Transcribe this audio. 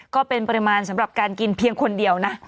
ก็เป็นปริมาณสำหรับการกินเพียงคนเดียวนะ